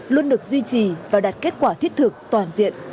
luôn được duy trì và đạt kết quả thiết thực toàn diện